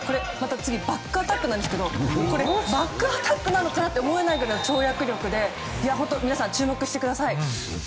次、バックアタックなんですがバックアタックなのかなと思うぐらいの跳躍力で皆さん、注目してください。